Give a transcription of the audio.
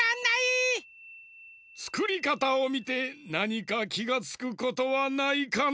つくりかたをみてなにかきがつくことはないかの？